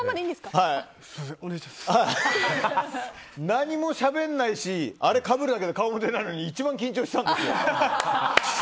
何もしゃべらないしあれかぶるだけで顔、出ないのに一番緊張してるんですよ。